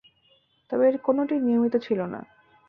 তবে এর কোনটিই নিয়মিত ছিল না।